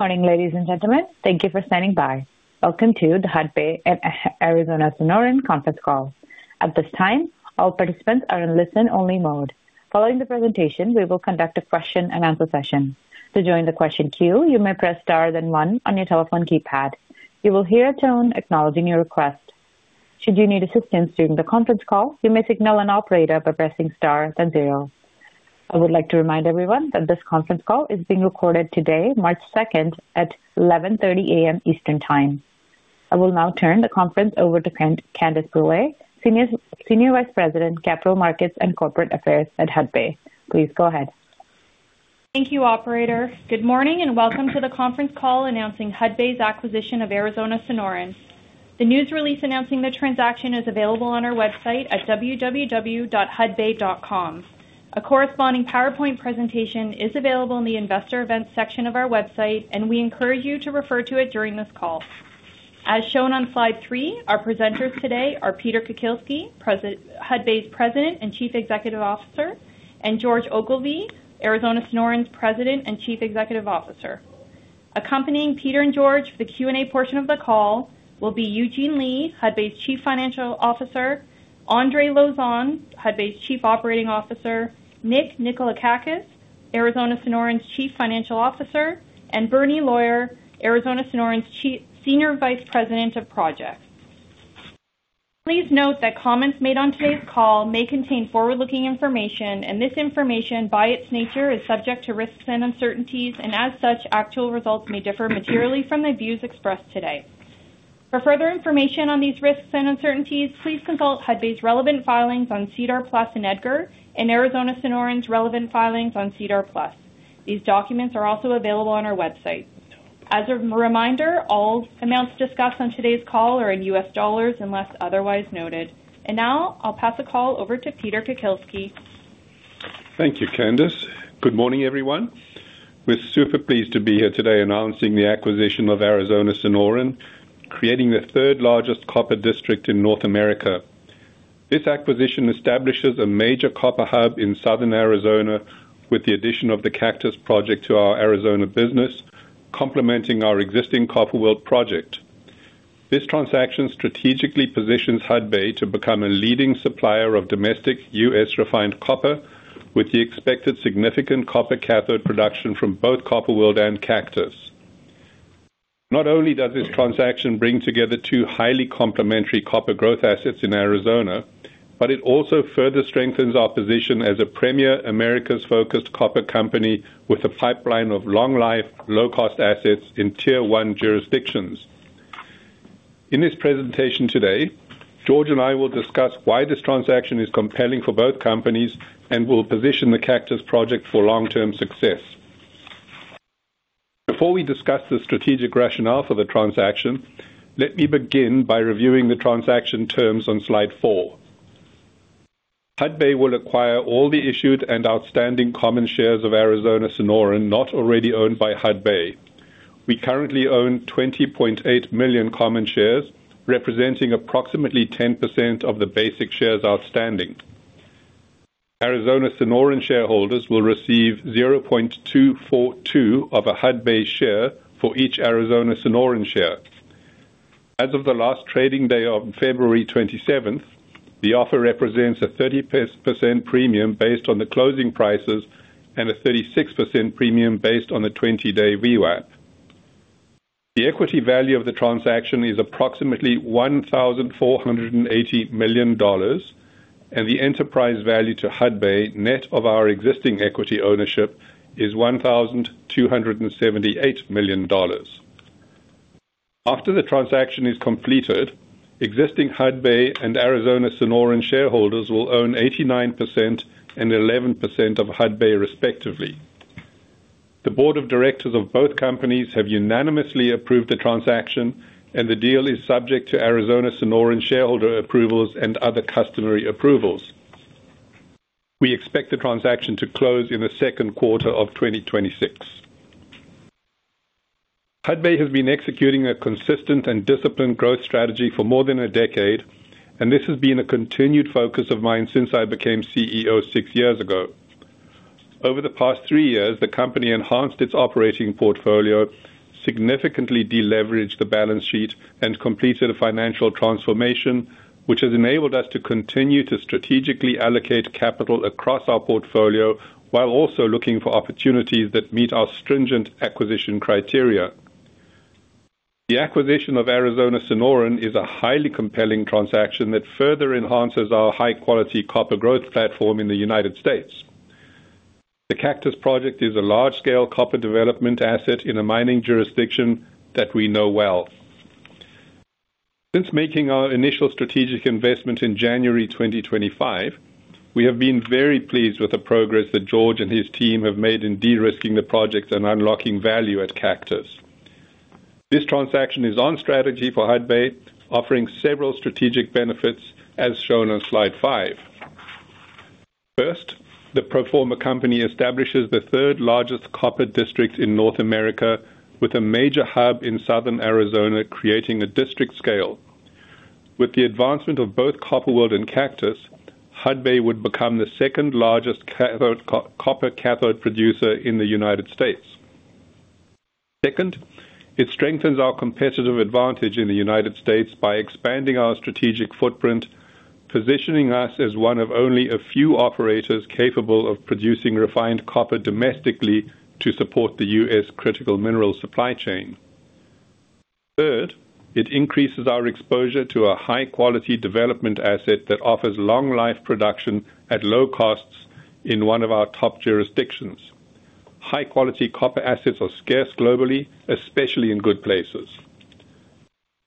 Morning, ladies and gentlemen. Thank you for standing by. Welcome to the Hudbay and Arizona Sonoran conference call. At this time, all participants are in listen-only mode. Following the presentation, we will conduct a question-and-answer session. To join the question queue, you may press star then one on your telephone keypad. You will hear a tone acknowledging your request. Should you need assistance during the conference call, you may signal an operator by pressing star then zero. I would like to remind everyone that this conference call is being recorded today, March second, at 11:30 A.M. Eastern Time. I will now turn the conference over to Candace Brûlé, Senior Vice President, Capital Markets and Corporate Affairs at Hudbay. Please go ahead. Thank you, operator. Good morning and welcome to the conference call announcing Hudbay's acquisition of Arizona Sonoran. The news release announcing the transaction is available on our website at www.hudbay.com. A corresponding PowerPoint presentation is available in the investor events section of our website, and we encourage you to refer to it during this call. As shown on Slide three, our presenters today are Peter Kukielski, Hudbay's President and Chief Executive Officer, and George Ogilvie, Arizona Sonoran's President and Chief Executive Officer. Accompanying Peter and George for the Q&A portion of the call will be Eugene Lei, Hudbay's Chief Financial Officer, Andre Lauzon, Hudbay's Chief Operating Officer, Nick Nikolakakis, Arizona Sonoran's Chief Financial Officer, and Bernie Loyer, Arizona Sonoran's Senior Vice President of Projects. Please note that comments made on today's call may contain forward-looking information, this information by its nature is subject to risks and uncertainties, and as such, actual results may differ materially from the views expressed today. For further information on these risks and uncertainties, please consult Hudbay's relevant filings on SEDAR+ and EDGAR and Arizona Sonoran's relevant filings on SEDAR+. These documents are also available on our website. As a reminder, all amounts discussed on today's call are in U.S. dollars unless otherwise noted. Now I'll pass the call over to Peter Kukielski. Thank you, Candace. Good morning, everyone. We're super pleased to be here today announcing the acquisition of Arizona Sonoran, creating the 3rd largest copper district in North America. This acquisition establishes a major copper hub in southern Arizona with the addition of the Cactus Project to our Arizona business, complementing our existing Copper World project. This transaction strategically positions Hudbay to become a leading supplier of domestic US refined copper with the expected significant copper cathode production from both Copper World and Cactus. Not only does this transaction bring together two highly complementary copper growth assets in Arizona, but it also further strengthens our position as a premier Americas-focused copper company with a pipeline of long life, low cost assets in Tier 1 jurisdictions. In this presentation today, George and I will discuss why this transaction is compelling for both companies and will position the Cactus Project for long-term success. Before we discuss the strategic rationale for the transaction, let me begin by reviewing the transaction terms on Slide four. Hudbay will acquire all the issued and outstanding common shares of Arizona Sonoran not already owned by Hudbay. We currently own 20.8 million common shares, representing approximately 10% of the basic shares outstanding. Arizona Sonoran shareholders will receive 0.242 of a Hudbay share for each Arizona Sonoran share. As of the last trading day on February 27th, the offer represents a 30% premium based on the closing prices and a 36% premium based on the 20-day VWAP. The equity value of the transaction is approximately $1,480 million, the enterprise value to Hudbay, net of our existing equity ownership, is $1,278 million. After the transaction is completed, existing Hudbay and Arizona Sonoran Copper Company shareholders will own 89% and 11% of Hudbay respectively. The board of directors of both companies have unanimously approved the transaction and the deal is subject to Arizona Sonoran Copper Company shareholder approvals and other customary approvals. We expect the transaction to close in the Q2 of 2026. Hudbay has been executing a consistent and disciplined growth strategy for more than a decade, and this has been a continued focus of mine since I became CEO six-years ago. Over the past three-years, the company enhanced its operating portfolio, significantly de-leveraged the balance sheet and completed a financial transformation which has enabled us to continue to strategically allocate capital across our portfolio while also looking for opportunities that meet our stringent acquisition criteria. The acquisition of Arizona Sonoran is a highly compelling transaction that further enhances our high-quality copper growth platform in the United States. The Cactus Project is a large-scale copper development asset in a mining jurisdiction that we know well. Since making our initial strategic investment in January 2025, we have been very pleased with the progress that George and his team have made in de-risking the project and unlocking value at Cactus. This transaction is on strategy for Hudbay, offering several strategic benefits as shown on Slide five. First, the pro forma company establishes the third largest copper district in North America with a major hub in southern Arizona creating a district scale. With the advancement of both Copper World and Cactus, Hudbay would become the second largest copper cathode producer in the United States. Second, it strengthens our competitive advantage in the United States by expanding our strategic footprint, positioning us as one of only a few operators capable of producing refined copper domestically to support the U.S. critical mineral supply chain. Third, it increases our exposure to a high-quality development asset that offers long life production at low costs in one of our top jurisdictions. High-quality copper assets are scarce globally, especially in good places.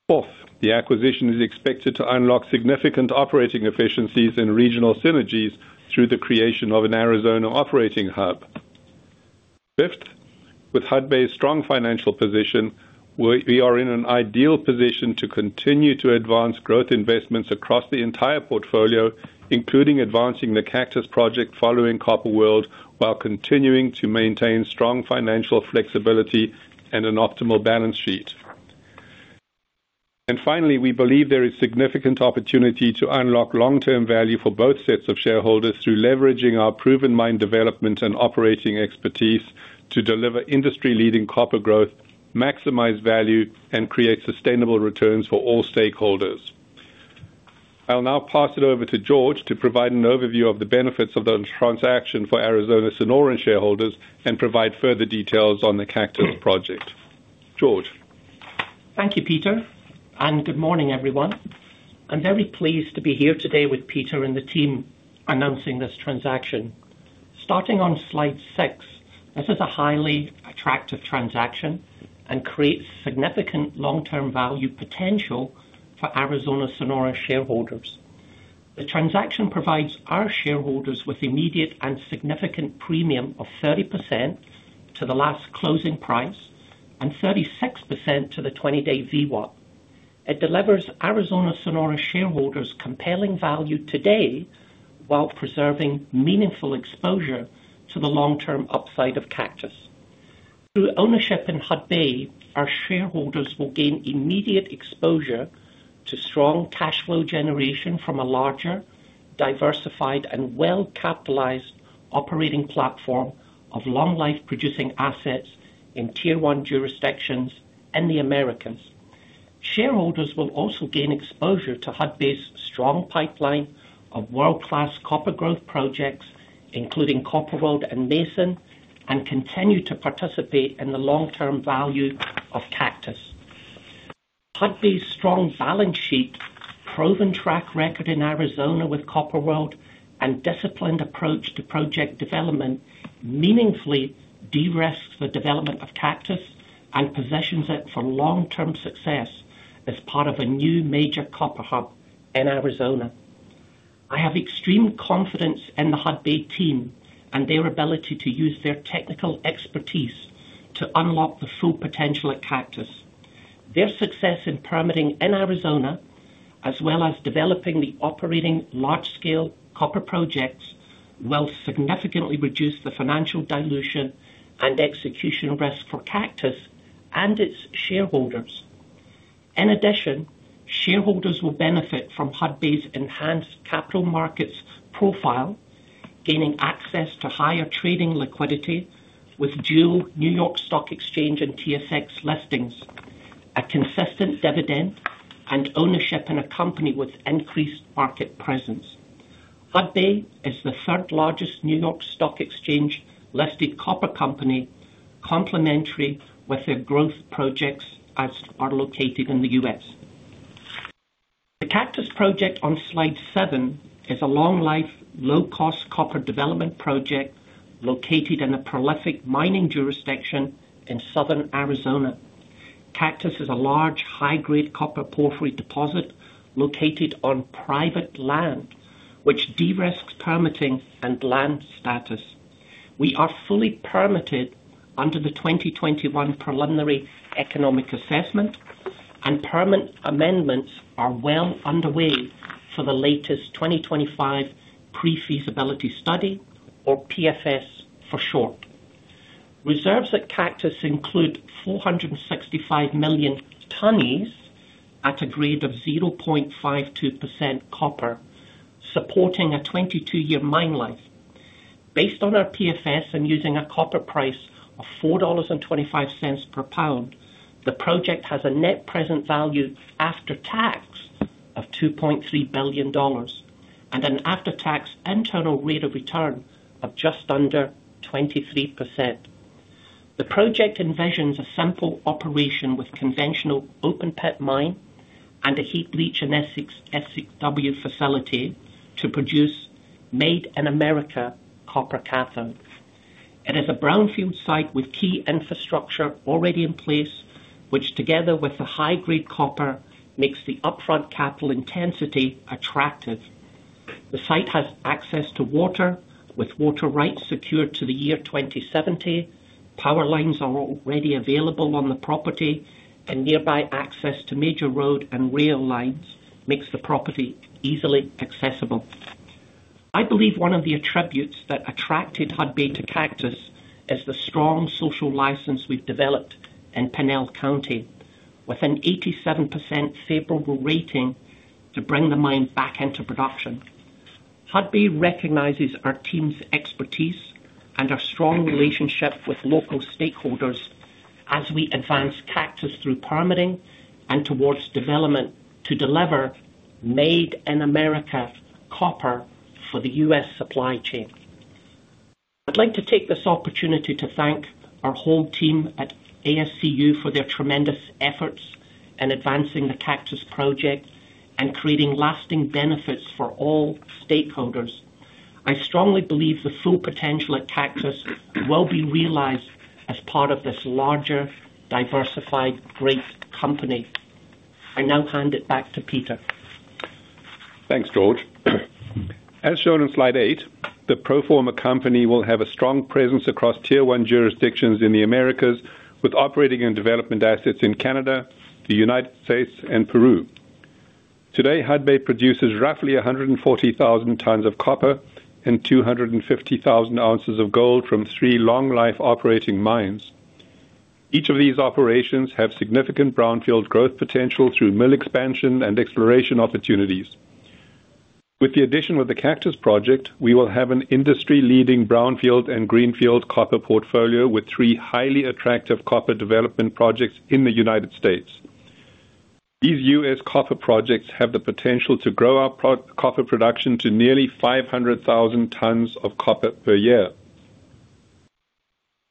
Fourth, the acquisition is expected to unlock significant operating efficiencies and regional synergies through the creation of an Arizona operating hub. Fifth, with Hudbay's strong financial position, we are in an ideal position to continue to advance growth investments across the entire portfolio, including advancing the Cactus Project following Copper World, while continuing to maintain strong financial flexibility and an optimal balance sheet. Finally, we believe there is significant opportunity to unlock long-term value for both sets of shareholders through leveraging our proven mine development and operating expertise to deliver industry-leading copper growth, maximize value, and create sustainable returns for all stakeholders. I'll now pass it over to George to provide an overview of the benefits of the transaction for Arizona Sonoran shareholders and provide further details on the Cactus Project. George? Thank you, Peter, and good morning, everyone. I'm very pleased to be here today with Peter and the team announcing this transaction. Starting on Slide six. This is a highly attractive transaction and creates significant long-term value potential for Arizona Sonoran shareholders. The transaction provides our shareholders with immediate and significant premium of 30% to the last closing price and 36% to the 20-day VWAP. It delivers Arizona Sonoran shareholders compelling value today while preserving meaningful exposure to the long-term upside of Cactus. Through ownership in Hudbay, our shareholders will gain immediate exposure to strong cash flow generation from a larger, diversified and well-capitalized operating platform of long life producing assets in Tier 1 jurisdictions and the Americas. Shareholders will also gain exposure to Hudbay's strong pipeline of world-class copper growth projects, including Copper World and Mason, and continue to participate in the long-term value of Cactus. Hudbay's strong balance sheet, proven track record in Arizona with Copper World, and disciplined approach to project development meaningfully de-risks the development of Cactus and positions it for long-term success as part of a new major copper hub in Arizona. I have extreme confidence in the Hudbay team and their ability to use their technical expertise to unlock the full potential at Cactus. Their success in permitting in Arizona, as well as developing the operating large-scale copper projects, will significantly reduce the financial dilution and execution risk for Cactus and its shareholders. In addition, shareholders will benefit from Hudbay's enhanced capital markets profile, gaining access to higher trading liquidity with dual New York Stock Exchange and TSX listings, a consistent dividend and ownership in a company with increased market presence. Hudbay is the third largest New York Stock Exchange-listed copper company, complementary with their growth projects as are located in the U.S. The Cactus Project on Slide seven is a long life, low cost copper development project located in a prolific mining jurisdiction in southern Arizona. Cactus is a large, high-grade copper porphyry deposit located on private land, which de-risks permitting and land status. We are fully permitted under the 2021 preliminary economic assessment, and permit amendments are well underway for the latest 2025 pre-feasibility study or PFS for short. Reserves at Cactus include 465 million tonnes at a grade of 0.52% copper, supporting a 22-year mine life. Based on our PFS and using a copper price of $4.25 per pound, the project has a net present value after tax of $2.3 billion and an after-tax internal rate of return of just under 23%. The project envisions a simple operation with conventional open pit mine and a heap leach and SX/EW facility to produce made in America copper cathodes. It is a brownfield site with key infrastructure already in place, which together with the high-grade copper, makes the upfront capital intensity attractive. The site has access to water, with water rights secured to the year 2070. Power lines are already available on the property. Nearby access to major road and rail lines makes the property easily accessible. I believe one of the attributes that attracted Hudbay to Cactus is the strong social license we've developed in Pinal County with an 87% favorable rating to bring the mine back into production. Hudbay recognizes our team's expertise and our strong relationship with local stakeholders as we advance Cactus through permitting and towards development to deliver made in America copper for the U.S. supply chain. I'd like to take this opportunity to thank our whole team at ASCU for their tremendous efforts in advancing the Cactus Project and creating lasting benefits for all stakeholders. I strongly believe the full potential at Cactus will be realized as part of this larger, diversified, great company. I now hand it back to Peter. Thanks, George. As shown on Slide eight, the pro forma company will have a strong presence across tier one jurisdictions in the Americas, with operating and development assets in Canada, the United States and Peru. Today, Hudbay produces roughly 140,000 tons of copper and 250,000 ounces of gold from three long life operating mines. Each of these operations have significant brownfield growth potential through mill expansion and exploration opportunities. With the addition of the Cactus Project, we will have an industry-leading brownfield and greenfield copper portfolio with three highly attractive copper development projects in the United States. These U.S. copper projects have the potential to grow our copper production to nearly 500,000 tons of copper per year.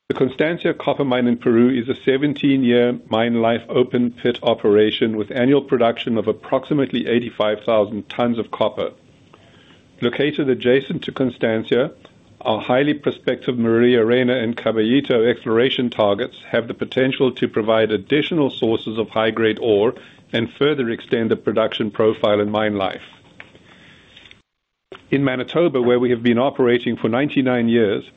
The Constancia Copper Mine in Peru is a 17-year mine life open pit operation with annual production of approximately 85,000 tons of copper. Located adjacent to Constancia, our highly prospective Maria Reyna and Caballito exploration targets have the potential to provide additional sources of high-grade ore and further extend the production profile and mine life. In Manitoba, where we have been operating for 99 years,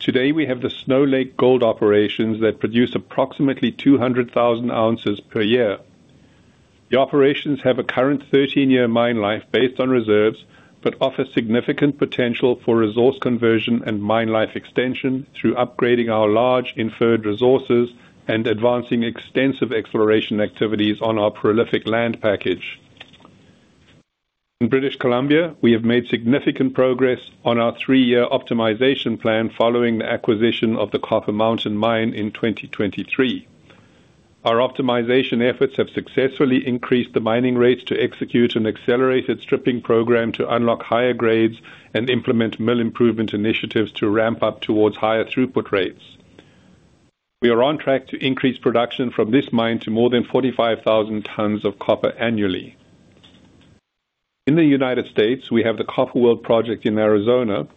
today we have the Snow Lake gold operations that produce approximately 200,000 ounces per year. The operations have a current 13-year mine life based on reserves, but offer significant potential for resource conversion and mine life extension through upgrading our large inferred resources and advancing extensive exploration activities on our prolific land package. In British Columbia, we have made significant progress on our three-year optimization plan following the acquisition of the Copper Mountain Mine in 2023. Our optimization efforts have successfully increased the mining rates to execute an accelerated stripping program to unlock higher grades and implement mill improvement initiatives to ramp up towards higher throughput rates. We are on track to increase production from this mine to more than 45,000 tons of copper annually. In the United States, we have the Copper World Project in Arizona,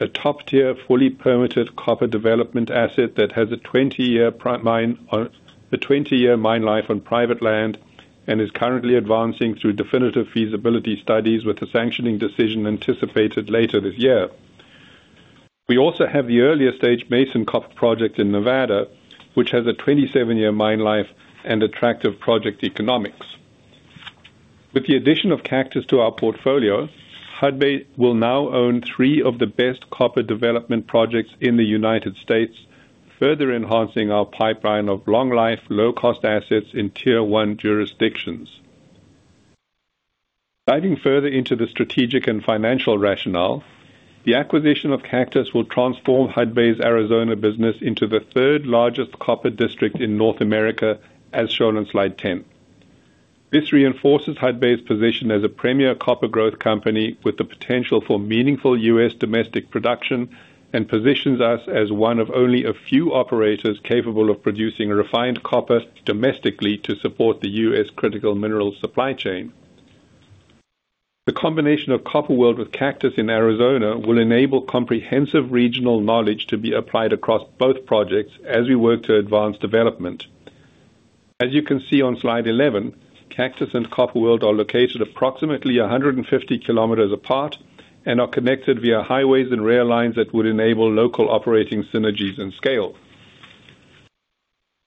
a top-tier, fully permitted copper development asset that has a 20-year mine life on private land, and is currently advancing through definitive feasibility studies with a sanctioning decision anticipated later this year. We also have the earlier stage Mason Copper Project in Nevada, which has a 27-year mine life and attractive project economics. With the addition of Cactus to our portfolio, Hudbay will now own three of the best copper development projects in the United States, further enhancing our pipeline of long life, low-cost assets in tier one jurisdictions. Diving further into the strategic and financial rationale, the acquisition of Cactus will transform Hudbay's Arizona business into the third-largest copper district in North America, as shown on Slide 10. This reinforces Hudbay's position as a premier copper growth company with the potential for meaningful U.S. domestic production, and positions us as one of only a few operators capable of producing refined copper domestically to support the U.S. critical mineral supply chain. The combination of Copper World with Cactus in Arizona will enable comprehensive regional knowledge to be applied across both projects as we work to advance development. As you can see on Slide 11, Cactus and Copper World are located approximately 150 km apart and are connected via highways and rail lines that would enable local operating synergies and scale.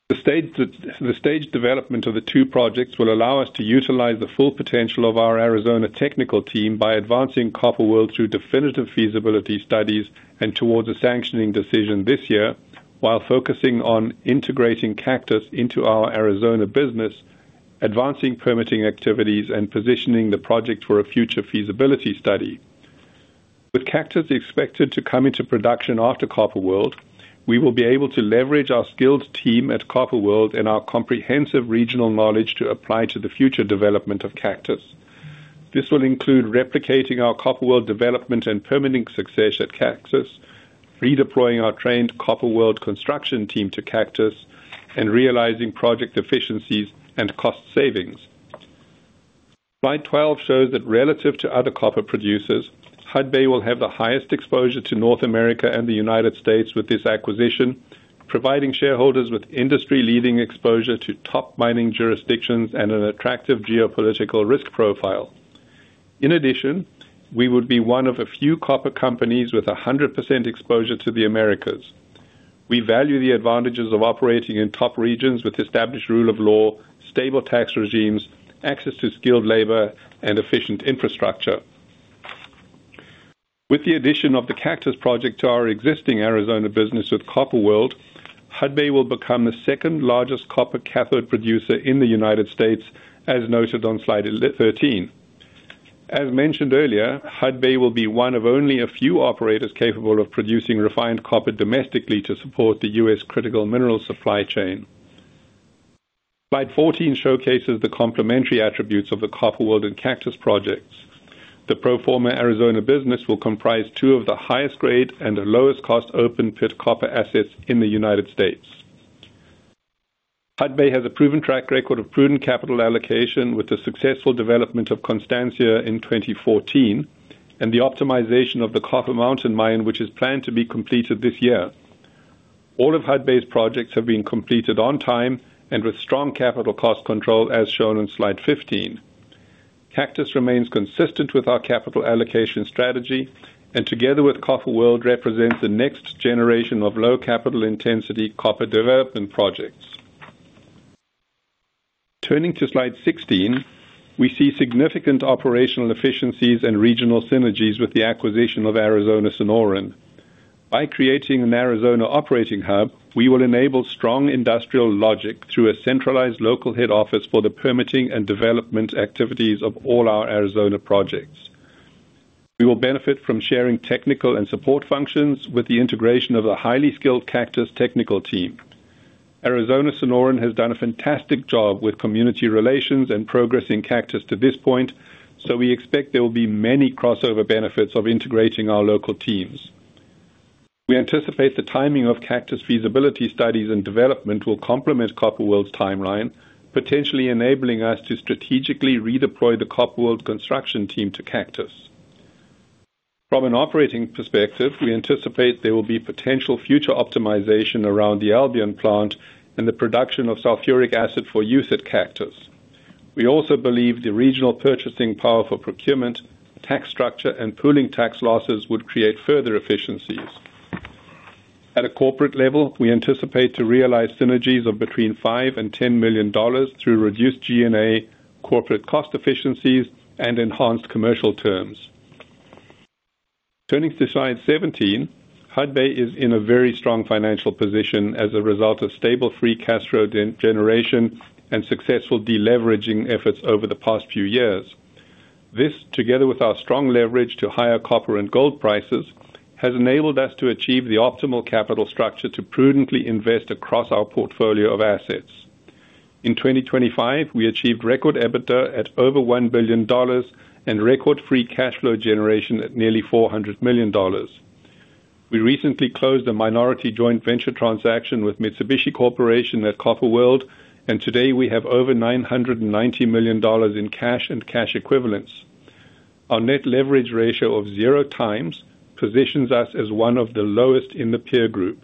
The stage development of the two projects will allow us to utilize the full potential of our Arizona technical team by advancing Copper World through definitive feasibility studies and towards a sanctioning decision this year, while focusing on integrating Cactus into our Arizona business, advancing permitting activities, and positioning the project for a future feasibility study. With Cactus expected to come into production after Copper World, we will be able to leverage our skilled team at Copper World and our comprehensive regional knowledge to apply to the future development of Cactus. This will include replicating our Copper World development and permitting success at Cactus, redeploying our trained Copper World construction team to Cactus, and realizing project efficiencies and cost savings. Slide 12 shows that relative to other copper producers, Hudbay will have the highest exposure to North America and the United States with this acquisition, providing shareholders with industry-leading exposure to top mining jurisdictions and an attractive geopolitical risk profile. In addition, we would be one of a few copper companies with a 100% exposure to the Americas. We value the advantages of operating in top regions with established rule of law, stable tax regimes, access to skilled labor and efficient infrastructure. With the addition of the Cactus Project to our existing Arizona business with Copper World, Hudbay will become the second-largest copper cathode producer in the United States, as noted on Slide 13. As mentioned earlier, Hudbay will be one of only a few operators capable of producing refined copper domestically to support the U.S. critical mineral supply chain. Slide 14 showcases the complementary attributes of the Copper World and Cactus Projects. The pro forma Arizona business will comprise two of the highest grade and the lowest cost open pit copper assets in the U.S. Hudbay has a proven track record of prudent capital allocation with the successful development of Constancia in 2014 and the optimization of the Copper Mountain Mine, which is planned to be completed this year. All of Hudbay's projects have been completed on time and with strong capital cost control, as shown in Slide 15. Cactus remains consistent with our capital allocation strategy and together with Copper World, represents the next generation of low capital intensity copper development projects. Turning to Slide 16, we see significant operational efficiencies and regional synergies with the acquisition of Arizona Sonoran. By creating an Arizona operating hub, we will enable strong industrial logic through a centralized local head office for the permitting and development activities of all our Arizona projects. We will benefit from sharing technical and support functions with the integration of a highly skilled Cactus technical team. Arizona Sonoran has done a fantastic job with community relations and progressing Cactus to this point. We expect there will be many crossover benefits of integrating our local teams. We anticipate the timing of Cactus feasibility studies and development will complement Copper World's timeline, potentially enabling us to strategically redeploy the Copper World construction team to Cactus. From an operating perspective, we anticipate there will be potential future optimization around the Albion plant and the production of sulfuric acid for use at Cactus. We also believe the regional purchasing power for procurement, tax structure and pooling tax losses would create further efficiencies. At a corporate level, we anticipate to realize synergies of between $5 million and $10 million through reduced G&A corporate cost efficiencies and enhanced commercial terms. Turning to Slide 17, Hudbay is in a very strong financial position as a result of stable free cash flow generation and successful deleveraging efforts over the past few years. This, together with our strong leverage to higher copper and gold prices, has enabled us to achieve the optimal capital structure to prudently invest across our portfolio of assets. In 2025, we achieved record EBITDA at over $1 billion and record free cash flow generation at nearly $400 million. We recently closed a minority joint venture transaction with Mitsubishi Corporation at Copper World. Today we have over $990 million in cash and cash equivalents. Our net leverage ratio of zero times positions us as one of the lowest in the peer group.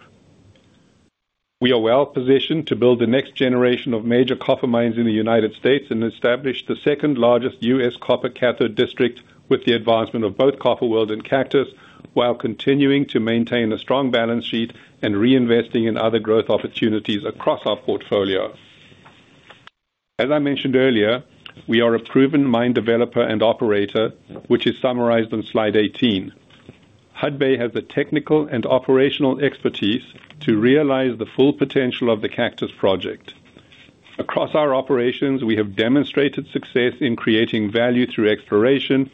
We are well positioned to build the next generation of major copper mines in the United States and establish the second-largest U.S. copper cathode district with the advancement of both Copper World and Cactus, while continuing to maintain a strong balance sheet and reinvesting in other growth opportunities across our portfolio. As I mentioned earlier, we are a proven mine developer and operator, which is summarized on Slide 18. Hudbay has the technical and operational expertise to realize the full potential of the Cactus Project. Across our operations, we have demonstrated success in creating value through exploration,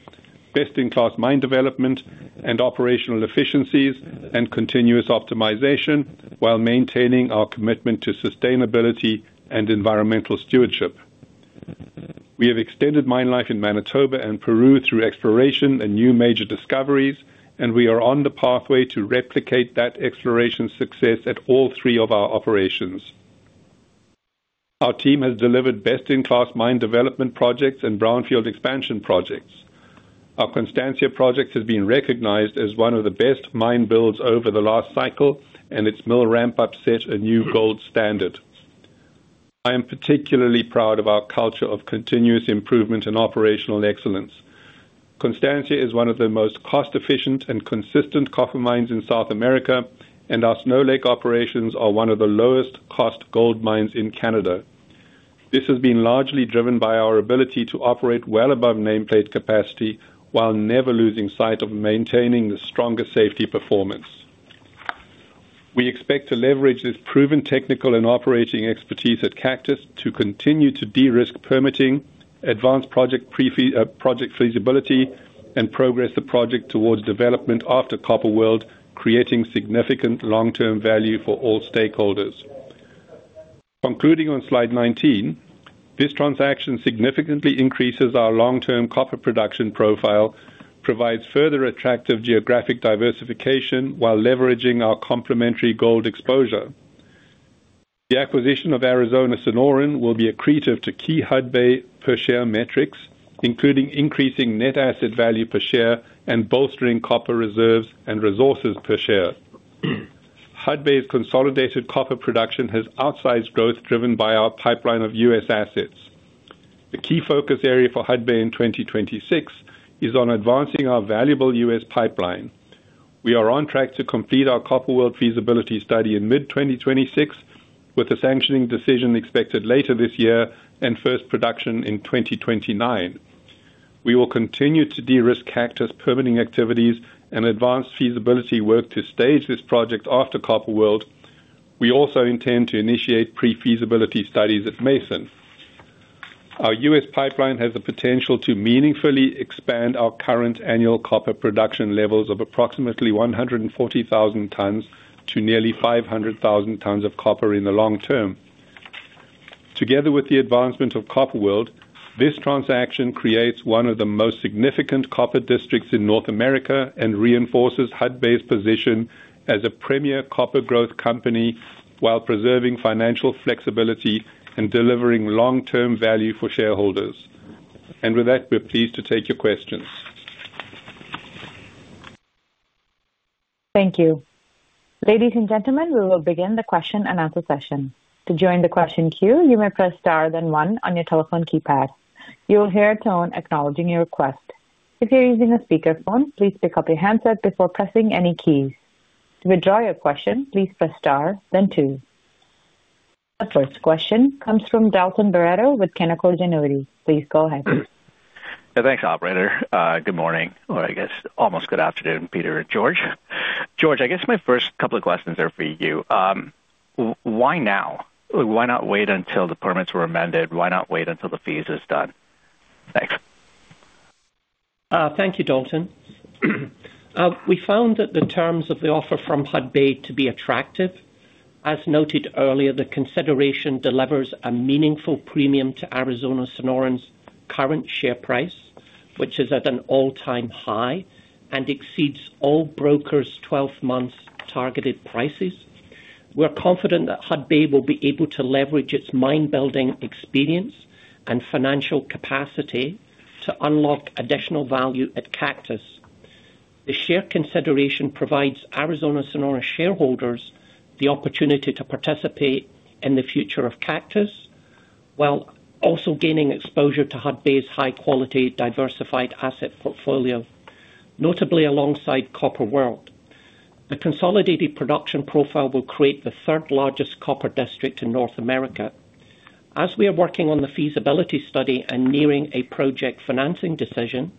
best-in-class mine development and operational efficiencies and continuous optimization while maintaining our commitment to sustainability and environmental stewardship. We have extended mine life in Manitoba and Peru through exploration and new major discoveries, and we are on the pathway to replicate that exploration success at all three of our operations. Our team has delivered best-in-class mine development projects and brownfield expansion projects. Our Constancia project has been recognized as one of the best mine builds over the last cycle, and its mill ramp up set a new gold standard. I am particularly proud of our culture of continuous improvement and operational excellence. Constancia is one of the most cost-efficient and consistent copper mines in South America, and our Snow Lake operations are one of the lowest cost gold mines in Canada. This has been largely driven by our ability to operate well above nameplate capacity while never losing sight of maintaining the strongest safety performance. We expect to leverage this proven technical and operating expertise at Cactus to continue to de-risk permitting, advance project feasibility, and progress the project towards development after Copper World, creating significant long-term value for all stakeholders. Concluding on Slide 19, this transaction significantly increases our long-term copper production profile, provides further attractive geographic diversification while leveraging our complementary gold exposure. The acquisition of Arizona Sonoran Copper Company will be accretive to key Hudbay per share metrics, including increasing net asset value per share and bolstering copper reserves and resources per share. Hudbay's consolidated copper production has outsized growth driven by our pipeline of U.S. assets. The key focus area for Hudbay in 2026 is on advancing our valuable U.S. pipeline. We are on track to complete our Copper World feasibility study in mid-2026, with a sanctioning decision expected later this year and first production in 2029. We will continue to de-risk Cactus permitting activities and advance feasibility work to stage this project after Copper World. We also intend to initiate pre-feasibility studies at Mason. Our U.S. pipeline has the potential to meaningfully expand our current annual copper production levels of approximately 140,000 tons to nearly 500,000 tons of copper in the long term. Together with the advancement of Copper World, this transaction creates one of the most significant copper districts in North America and reinforces Hudbay's position as a premier copper growth company while preserving financial flexibility and delivering long-term value for shareholders. With that, we're pleased to take your questions. Thank you. Ladies and gentlemen, we will begin the question-and-answer session. To join the question queue, you may press star then one on your telephone keypad. You will hear a tone acknowledging your request. If you're using a speakerphone, please pick up your handset before pressing any keys. To withdraw your question, please press star then two. The first question comes from Dalton Baretto with Canaccord Genuity. Please go ahead. Thanks, operator. Good morning, or I guess almost good afternoon, Peter and George. George, I guess my first couple of questions are for you. Why now? Why not wait until the permits were amended? Why not wait until the DFS is done? Thanks. Thank you, Dalton. We found that the terms of the offer from Hudbay to be attractive. As noted earlier, the consideration delivers a meaningful premium to Arizona Sonoran's current share price, which is at an all-time high and exceeds all brokers' 12 months targeted prices. We're confident that Hudbay will be able to leverage its mine building experience and financial capacity to unlock additional value at Cactus. The share consideration provides Arizona Sonoran shareholders the opportunity to participate in the future of Cactus while also gaining exposure to Hudbay's high-quality, diversified asset portfolio, notably alongside Copper World. The consolidated production profile will create the third largest copper district in North America. As we are working on the feasibility study and nearing a project financing decision,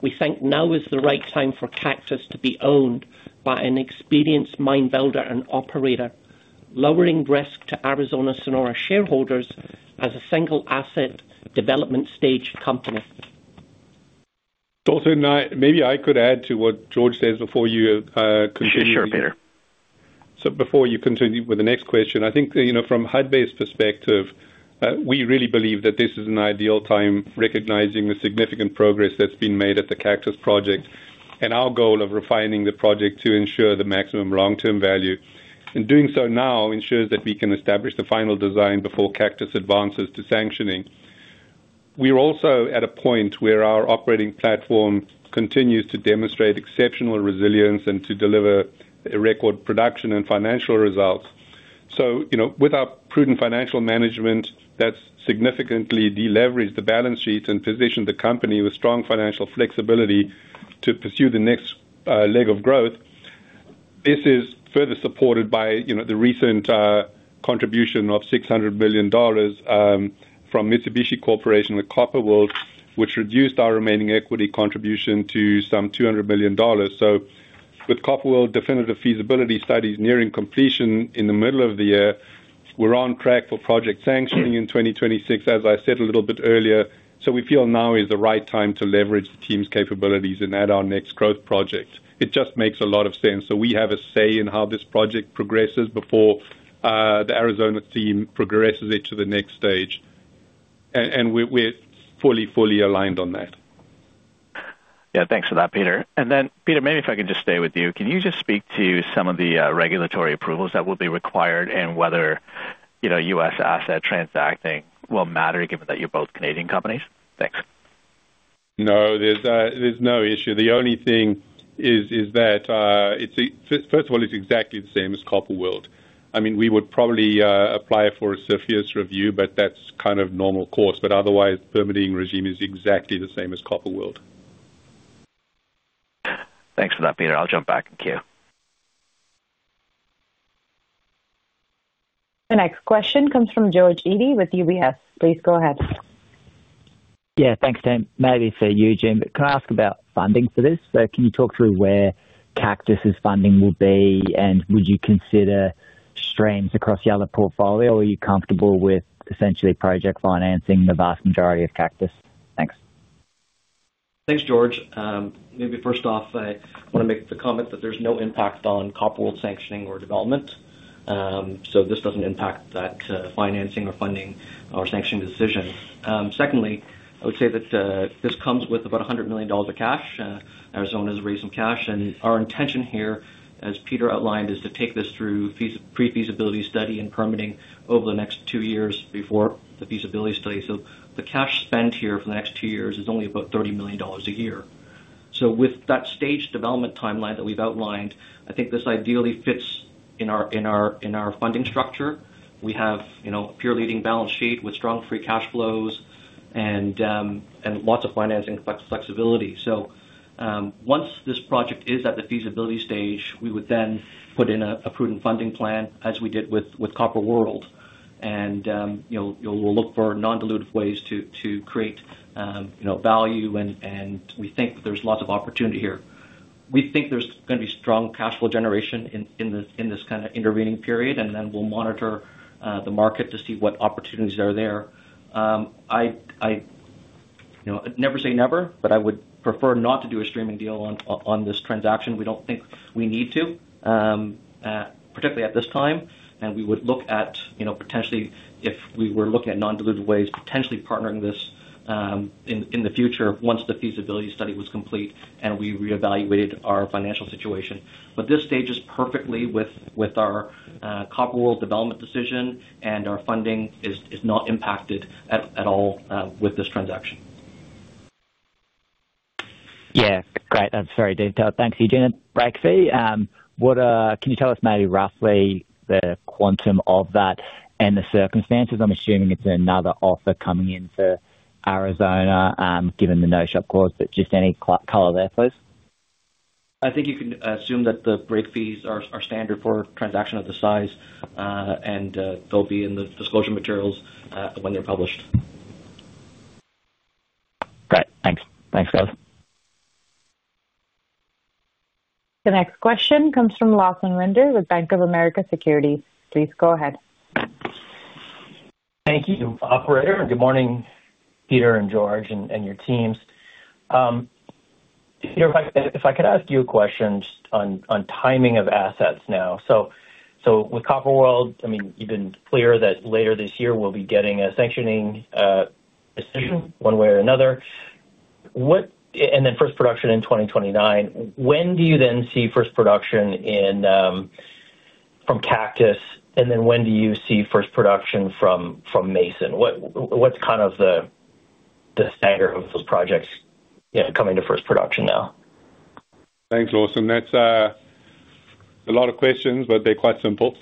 we think now is the right time for Cactus to be owned by an experienced mine builder and operator, lowering risk to Arizona Sonoran shareholders as a single asset development stage company. Dalton, maybe I could add to what George says before you continue. Sure, Peter. Before you continue with the next question, I think, you know, from Hudbay's perspective, we really believe that this is an ideal time, recognizing the significant progress that's been made at the Cactus Project and our goal of refining the project to ensure the maximum long-term value. Doing so now ensures that we can establish the final design before Cactus advances to sanctioning. We are also at a point where our operating platform continues to demonstrate exceptional resilience and to deliver a record production and financial results. You know, with our prudent financial management, that's significantly deleveraged the balance sheet and positioned the company with strong financial flexibility to pursue the next leg of growth. This is further supported by, you know, the recent contribution of $600 million from Mitsubishi Corporation with Copper World, which reduced our remaining equity contribution to some $200 million. With Copper World definitive feasibility studies nearing completion in the middle of the year, we're on track for project sanctioning in 2026, as I said a little bit earlier. We feel now is the right time to leverage the team's capabilities and add our next growth project. It just makes a lot of sense. We have a say in how this project progresses before the Arizona team progresses it to the next stage, and we're fully aligned on that. Yeah, thanks for that, Peter. Peter, maybe if I can just stay with you. Can you just speak to some of the regulatory approvals that will be required and whether, you know, U.S. asset transacting will matter given that you're both Canadian companies? Thanks. No, there's no issue. The only thing is that, first of all, it's exactly the same as Copper World. I mean, we would probably apply for a CFIUS review, but that's kind of normal course. Otherwise, permitting regime is exactly the same as Copper World. Thanks for that, Peter. I'll jump back. Thank you. The next question comes from George Edie with UBS. Please go ahead. Yeah, thanks, team. Maybe for you, Eugene, can I ask about funding for this? Can you talk through where Cactus' funding will be, and would you consider strains across the other portfolio, or are you comfortable with essentially project financing the vast majority of Cactus? Thanks. Thanks, George. Maybe first off, I want to make the comment that there's no impact on Copper World sanctioning or development. This doesn't impact that financing or funding or sanction decision. Secondly, I would say that this comes with about $100 million of cash. Arizona has raised some cash, and our intention here, as Peter outlined, is to take this through pre-feasibility study and permitting over the next two years before the feasibility study. The cash spent here for the next two years is only about $30 million a year. With that stage development timeline that we've outlined, I think this ideally fits in our funding structure. We have, you know, a pure leading balance sheet with strong free cash flows and lots of financing flexibility. Once this project is at the feasibility stage, we would then put in a prudent funding plan as we did with Copper World. You know, we'll look for non-dilutive ways to create, you know, value and we think there's lots of opportunity here. We think there's going to be strong cash flow generation in this kind of intervening period, and then we'll monitor the market to see what opportunities are there. I, you know, never say never, but I would prefer not to do a streaming deal on this transaction. We don't think we need to, particularly at this time. We would look at, you know, potentially if we were looking at non-dilutive ways, potentially partnering this in the future once the feasibility study was complete and we reevaluated our financial situation. This stage is perfectly with our Copper World development decision, and our funding is not impacted at all with this transaction. Yeah, great. That's very detailed. Thanks, Eugene. Break fee, what can you tell us maybe roughly the quantum of that and the circumstances? I'm assuming it's another offer coming into Arizona, given the no-shop clause, but just any color there, please. I think you can assume that the break fees are standard for a transaction of this size. They'll be in the disclosure materials when they're published. Great. Thanks. Thanks, guys. The next question comes from Lawson Winder with Bank of America Securities. Please go ahead. Thank you, operator. Good morning, Peter and George and your teams. Peter, if I could ask you a question just on timing of assets now. With Copper World, I mean, you've been clear that later this year we'll be getting a sanctioning decision one way or another. Then first production in 2029. When do you then see first production from Cactus? Then when do you see first production from Mason? What's kind of the standard of those projects, you know, coming to first production now? Thanks, Lawson. That's a lot of questions, but they're quite simple.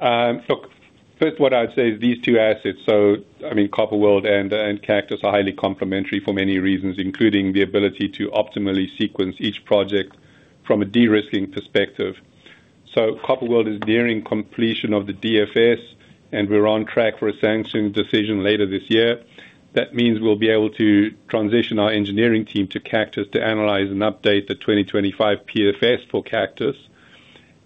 Look, first, what I'd say is these two assets, so I mean, Copper World and Cactus are highly complementary for many reasons, including the ability to optimally sequence each project from a de-risking perspective. Copper World is nearing completion of the DFS, and we're on track for a sanction decision later this year. That means we'll be able to transition our engineering team to Cactus to analyze and update the 2025 PFS for Cactus.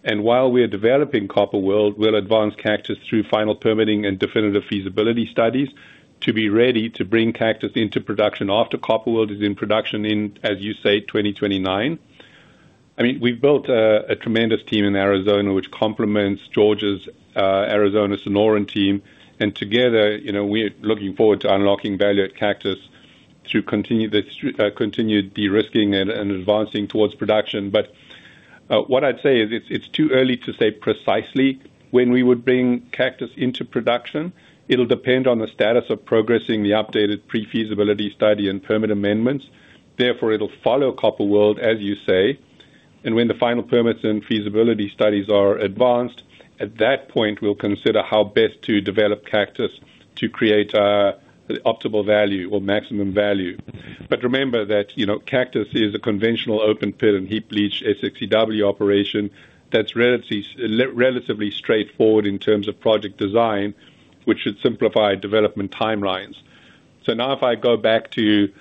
While we are developing Copper World, we'll advance Cactus through final permitting and definitive feasibility studies to be ready to bring Cactus into production after Copper World is in production in, as you say, 2029. I mean, we've built a tremendous team in Arizona, which complements George's Arizona Sonoran team, and together, you know, we're looking forward to unlocking value at Cactus through continue this continued de-risking and advancing towards production. What I'd say is it's too early to say precisely when we would bring Cactus into production. It'll depend on the status of progressing the updated pre-feasibility study and permit amendments. Therefore, it'll follow Copper World, as you say. When the final permits and feasibility studies are advanced, at that point, we'll consider how best to develop Cactus to create optimal value or maximum value. Remember that, you know, Cactus is a conventional open pit and heap leach SX-EW operation that's relatively straightforward in terms of project design, which should simplify development timelines. Now if I go back to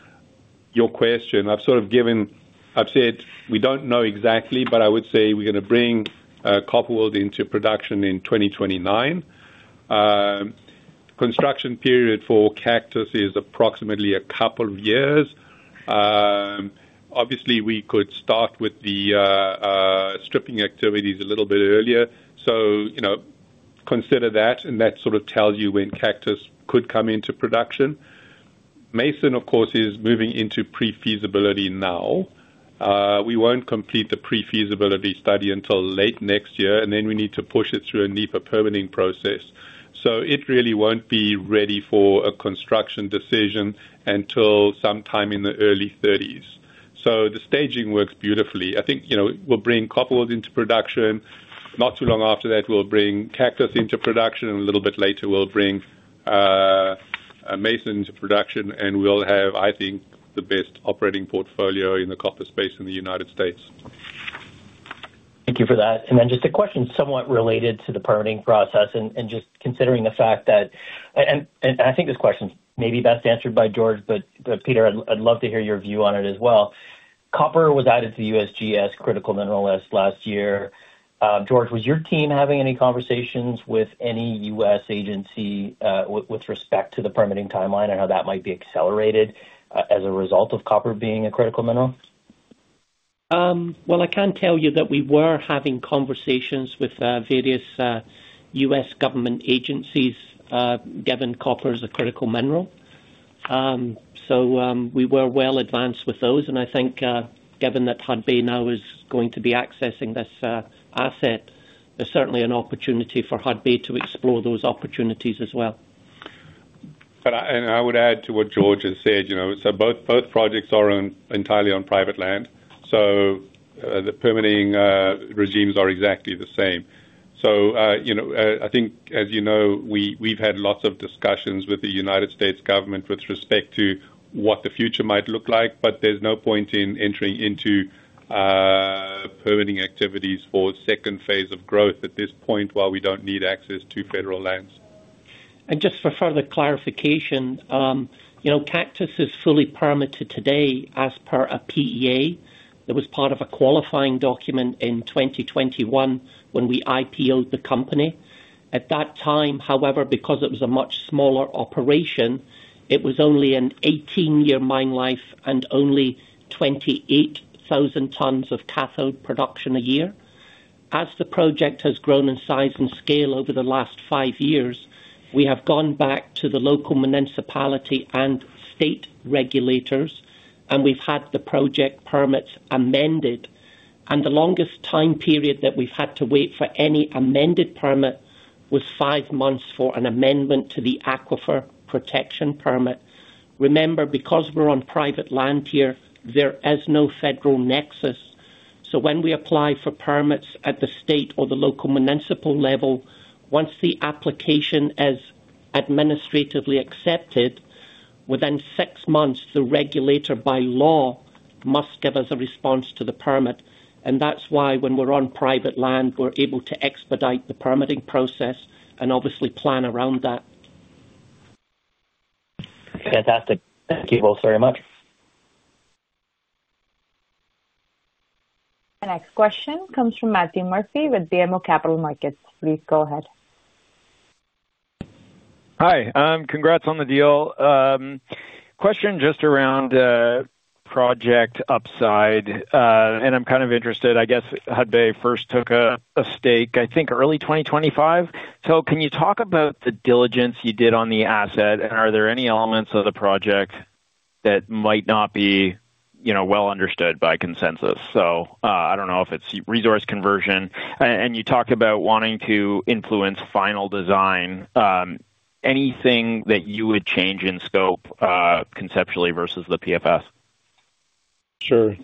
your question, I've sort of given. I've said we don't know exactly, but I would say we're gonna bring Copper World into production in 2029. Construction period for Cactus is approximately a couple of years. Obviously, we could start with the stripping activities a little bit earlier. You know, consider that, and that sort of tells you when Cactus could come into production. Mason, of course, is moving into pre-feasibility now. We won't complete the pre-feasibility study until late next year, and then we need to push it through a NEPA permitting process. It really won't be ready for a construction decision until sometime in the early 30s. The staging works beautifully. I think, you know, we'll bring Copper World into production. Not too long after that, we'll bring Cactus into production, and a little bit later, we'll bring Mason to production, and we'll have, I think, the best operating portfolio in the copper space in the United States. Thank you for that. Just a question somewhat related to the permitting process and just considering the fact that... I think this question may be best answered by George, but Peter, I'd love to hear your view on it as well. Copper was added to the USGS critical mineral list last year. George, was your team having any conversations with any U.S. agency with respect to the permitting timeline and how that might be accelerated as a result of copper being a critical mineral? Well I can tell you that we were having conversations with various U.S. government agencies, given copper is a critical mineral. We were well advanced with those, and I think, given that Hudbay now is going to be accessing this asset, there is certainly an opportunity for Hudbay to explore those opportunities as well. I would add to what George has said, you know, so both projects are on entirely on private land, so the permitting regimes are exactly the same. You know, I think as you know, we've had lots of discussions with the United States government with respect to what the future might look like, but there's no point in entering into permitting activities for phase II of growth at this point while we don't need access to federal lands. Just for further clarification, you know, Cactus is fully permitted today as per a PEA that was part of a qualifying document in 2021 when we IPO-ed the company. At that time, however, because it was a much smaller operation, it was only an 18-year mine life and only 28,000 tons of cathode production a year. As the project has grown in size and scale over the last five-years, we have gone back to the local municipality and state regulators, and we've had the project permits amended. The longest time period that we've had to wait for any amended permit was five-months for an amendment to the Aquifer Protection Permit. Remember, because we're on private land here, there is no federal nexus. When we apply for permits at the state or the local municipal level, once the application is administratively accepted, within six-months, the regulator by law must give us a response to the permit. That's why when we're on private land, we're able to expedite the permitting process and obviously plan around that. Fantastic. Thank you both very much. The next question comes from Matthew Murphy with BMO Capital Markets. Please go ahead. Hi. Congrats on the deal. Question just around project upside. I'm kind of interested, I guess Hudbay first took a stake, I think, early 2025. Can you talk about the diligence you did on the asset? Are there any elements of the project that might not be, you know, well understood by consensus? I don't know if it's resource conversion. And you talked about wanting to influence final design. Anything that you would change in scope, conceptually versus the PFS? Sure.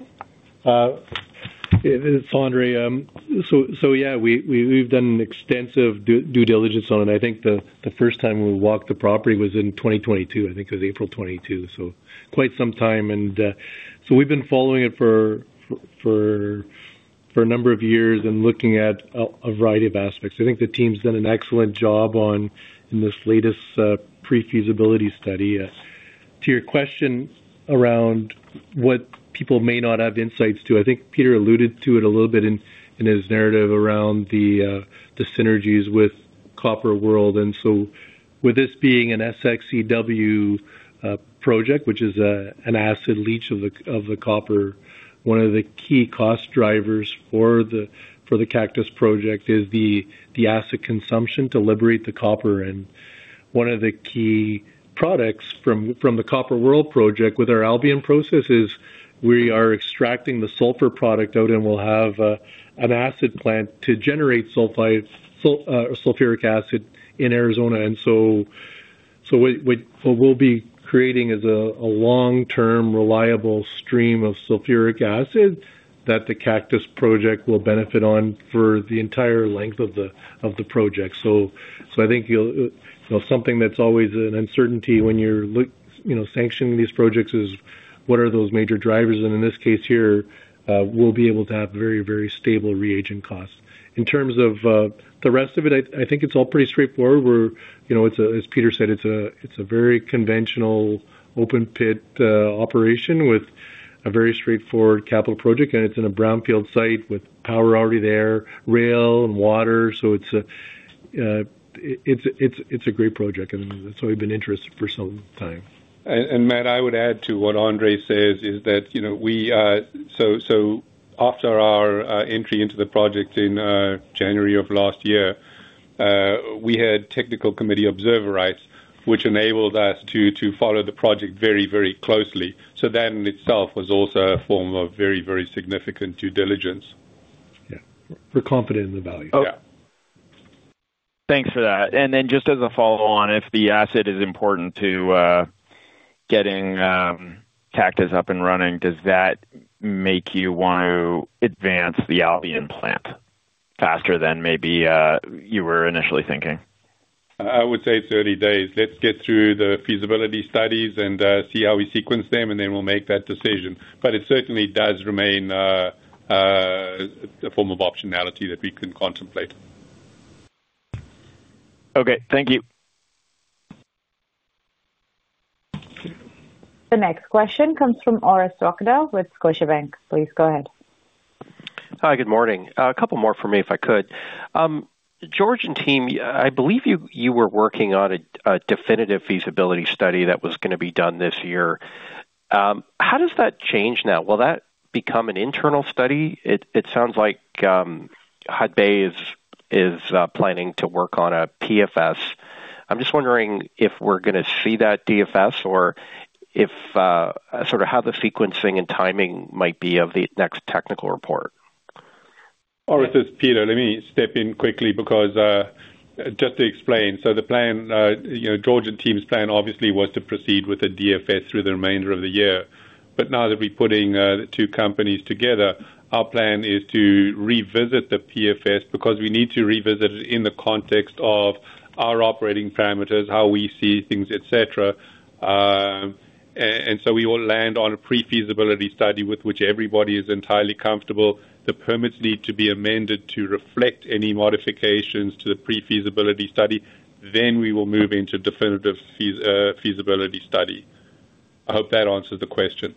It's Andre. Yeah, we've done extensive due diligence on it. I think the first time we walked the property was in 2022, I think it was April 22, so quite some time. We've been following it for a number of years and looking at a variety of aspects. I think the team's done an excellent job on, in this latest pre-feasibility study. To your question around what people may not have insights to, I think Peter alluded to it a little bit in his narrative around the synergies with Copper World. With this being an SX-EW project, which is an acid leach of the copper, one of the key cost drivers for the Cactus Project is the acid consumption to liberate the copper. One of the key products from the Copper World Project with our Albion Process is we are extracting the sulfur product out, and we'll have an acid plant to generate sulfide sulfuric acid in Arizona. What we'll be creating is a long-term, reliable stream of sulfuric acid that the Cactus Project will benefit on for the entire length of the project. I think you'll, you know, something that's always an uncertainty when you're, you know, sanctioning these projects is what are those major drivers? In this case here, we'll be able to have very, very stable reagent costs. In terms of the rest of it, I think it's all pretty straightforward. We're, you know, it's a, as Peter said, it's a very conventional open pit operation with a very straightforward capital project, and it's in a brownfield site with power already there, rail and water. It's a great project, and that's why we've been interested for some time. Matt, I would add to what Andre says is that, you know, we, so after our entry into the project in January of last year, we had technical committee observer rights, which enabled us to follow the project very closely. That in itself was also a form of very significant due diligence. Yeah. We're confident in the value. Oh. Yeah. Thanks for that. Then just as a follow on, if the asset is important to getting Cactus up and running, does that make you want to advance the Albion plant faster than maybe you were initially thinking? I would say it's early days. Let's get through the feasibility studies and, see how we sequence them, and then we'll make that decision. It certainly does remain, a form of optionality that we can contemplate. Okay. Thank you. The next question comes from Orest Wowkodaw with Scotiabank. Please go ahead. Hi. Good morning. A couple more from me, if I could. George and team, I believe you were working on a definitive feasibility study that was going to be done this year. How does that change now? Will that become an internal study? It sounds like Hudbay is planning to work on a PFS. I'm just wondering if we're going to see that DFS or if sort of how the sequencing and timing might be of the next technical report. Orest, it's Peter. Let me step in quickly because just to explain, so the plan, you know, George and team's plan obviously was to proceed with the DFS through the remainder of the year. Now that we're putting two companies together, our plan is to revisit the PFS because we need to revisit it in the context of our operating parameters, how we see things, et cetera. And so we will land on a pre-feasibility study with which everybody is entirely comfortable. The permits need to be amended to reflect any modifications to the pre-feasibility study. We will move into definitive feasibility study. I hope that answers the question.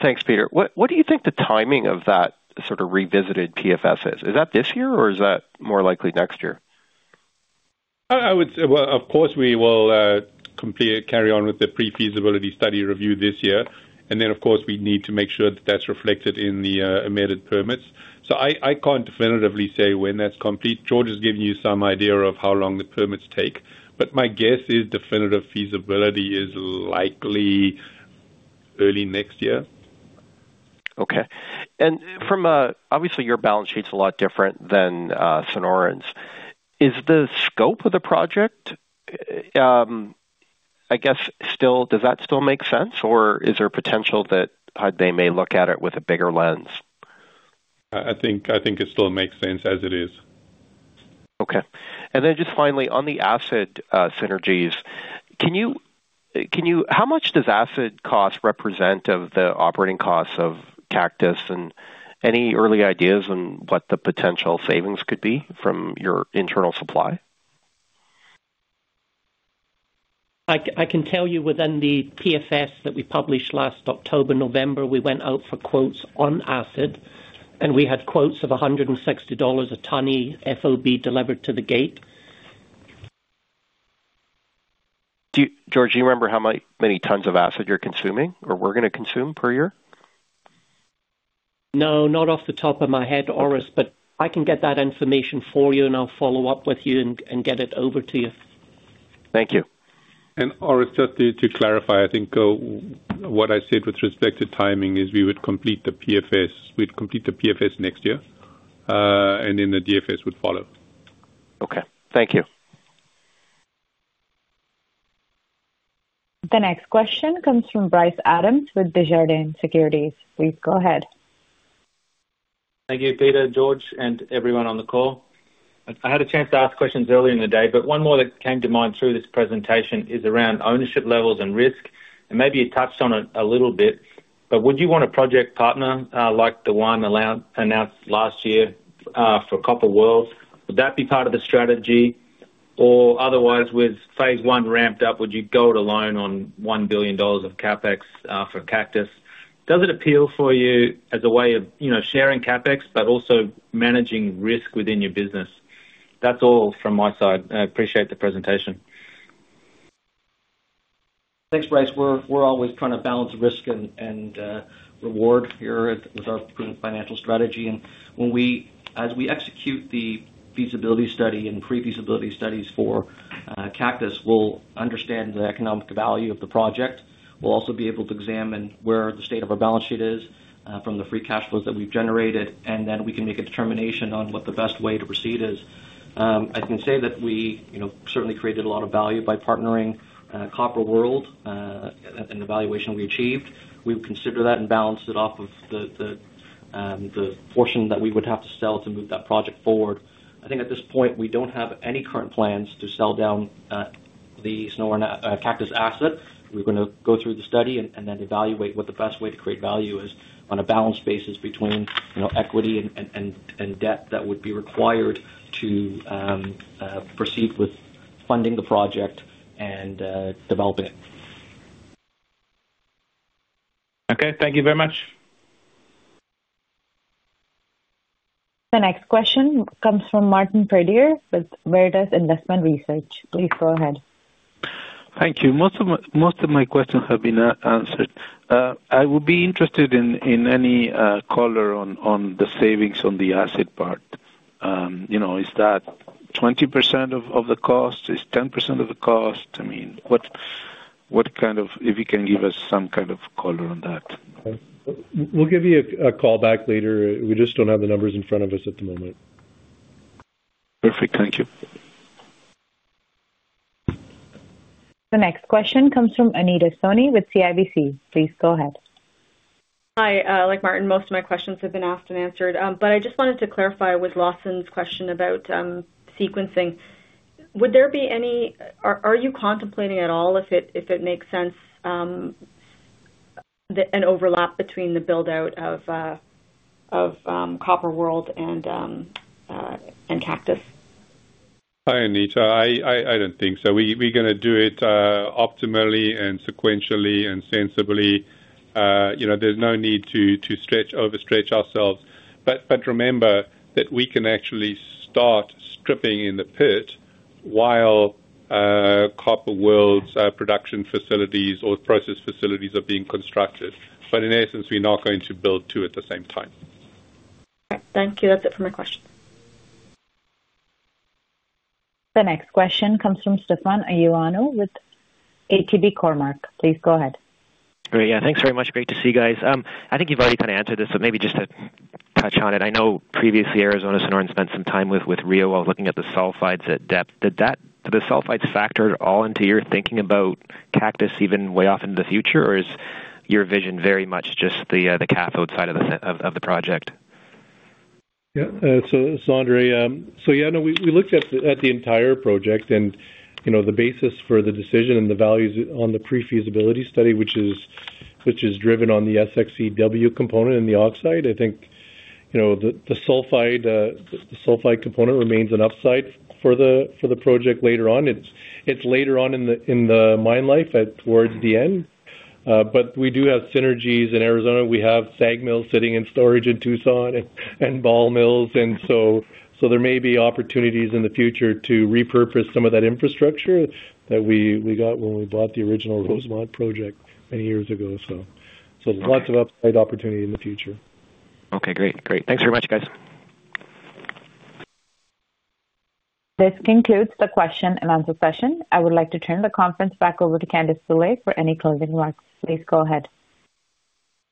Thanks, Peter. What do you think the timing of that sort of revisited PFS is? Is that this year or is that more likely next year? I would say, well, of course, we will complete, carry on with the pre-feasibility study review this year. Then, of course, we need to make sure that that's reflected in the amended permits. I can't definitively say when that's complete. George has given you some idea of how long the permits take. My guess is definitive feasibility is likely early next year. Okay. From obviously, your balance sheet's a lot different than Sonoran's. Is the scope of the project, I guess still does that still make sense, or is there potential that they may look at it with a bigger lens? I think it still makes sense as it is. Okay. Just finally, on the acid, synergies, can you how much does acid cost represent of the operating costs of Cactus? Any early ideas on what the potential savings could be from your internal supply? I can tell you within the PFS that we published last October, November, we went out for quotes on acid, and we had quotes of $160 a ton FOB delivered to the gate. Do you, George, do you remember how many tons of acid you're consuming or we're gonna consume per year? No, not off the top of my head, Orest, but I can get that information for you and I'll follow up with you and get it over to you. Thank you. Orest, just to clarify, I think what I said with respect to timing is we would complete the PFS, we'd complete the PFS next year, and then the DFS would follow. Okay. Thank you. The next question comes from Bryce Adams with Desjardins Securities. Please go ahead. Thank you, Peter, George, and everyone on the call. I had a chance to ask questions earlier in the day, but one more that came to mind through this presentation is around ownership levels and risk. Maybe you touched on it a little bit, but would you want a project partner like the one announced last year for Copper World? Would that be part of the strategy? Otherwise, with phase I ramped up, would you go it alone on $1 billion of CapEx for Cactus? Does it appeal for you as a way of, you know, sharing CapEx but also managing risk within your business? That's all from my side. I appreciate the presentation. Thanks, Bryce. We're always trying to balance risk and reward here with our financial strategy. As we execute the feasibility study and pre-feasibility studies for Cactus, we'll understand the economic value of the project. We'll also be able to examine where the state of our balance sheet is from the free cash flows that we've generated. Then we can make a determination on what the best way to proceed is. I can say that we, you know, certainly created a lot of value by partnering Copper World and the valuation we achieved. We would consider that and balance it off of the portion that we would have to sell to move that project forward. I think at this point, we don't have any current plans to sell down the Sonoran Cactus asset. We're gonna go through the study and then evaluate what the best way to create value is on a balanced basis between, you know, equity and debt that would be required to proceed with funding the project and develop it. Okay, thank you very much. The next question comes from Martin Pradier with Veritas Investment Research. Please go ahead. Thank you. Most of my questions have been answered. I would be interested in any color on the savings on the asset part. You know, is that 20% of the cost? Is 10% of the cost? I mean, what kind of, if you can give us some kind of color on that? We'll give you a call back later. We just don't have the numbers in front of us at the moment. Perfect. Thank you. The next question comes from Anita Soni with CIBC. Please go ahead. Hi. Like Martin, most of my questions have been asked and answered. I just wanted to clarify with Lawson's question about sequencing. Are you contemplating at all if it makes sense, an overlap between the build-out of Copper World and Cactus? Hi, Anita. I don't think so. We're gonna do it optimally and sequentially and sensibly. you know, there's no need to stretch, overstretch ourselves. Remember that we can actually start stripping in the pit while Copper World's production facilities or process facilities are being constructed. In essence, we're not going to build two at the same time. All right. Thank you. That's it for my questions. The next question comes from Stefan Ioannou with Cormark Securities. Please go ahead. Great. Thanks very much. Great to see you guys. I think you've already kind of answered this, so maybe just to touch on it. I know previously Arizona Sonoran spent some time with Rio while looking at the sulfides at depth. Did that, do the sulfides factor at all into your thinking about Cactus even way off into the future? Is your vision very much just the cathode side of the project? Andre, no, we looked at the entire project and, you know, the basis for the decision and the values on the pre-feasibility study, which is driven on the SX-EW component and the oxide. I think, you know, the sulfide component remains an upside for the project later on. It's later on in the mine life towards the end. We do have synergies in Arizona. We have SAG Mills sitting in storage in Tucson and ball mills. There may be opportunities in the future to repurpose some of that infrastructure that we got when we bought the original Rosemont project many years ago. There's lots of upside opportunity in the future. Okay, great. Great. Thanks very much, guys. This concludes the question and answer session. I would like to turn the conference back over to Candace Brûlé for any closing remarks. Please go ahead.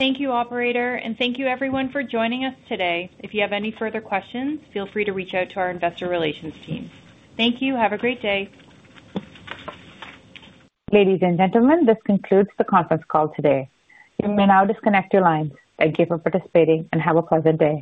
Thank you, operator, and thank you everyone for joining us today. If you have any further questions, feel free to reach out to our investor relations team. Thank you. Have a great day. Ladies and gentlemen, this concludes the conference call today. You may now disconnect your lines. Thank you for participating, and have a pleasant day.